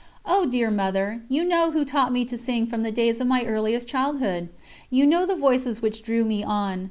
Oh, dear Mother, you know who taught me to sing from the days of my earliest childhood! You know the voices which drew me on.